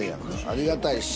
ありがたいし。